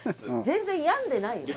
全然病んでない。